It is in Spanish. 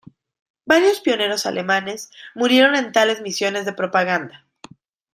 Varios pioneros alemanes murieron en tales misiones de propaganda.